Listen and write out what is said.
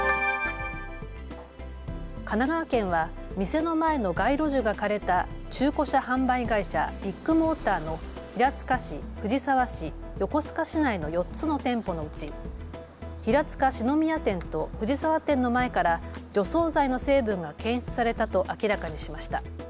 神奈川県は店の前の街路樹が枯れた中古車販売会社、ビッグモーターの平塚市、藤沢市、横須賀市内の４つの店舗のうち平塚四之宮店と藤沢店の前から除草剤の成分が検出されたと明らかにしました。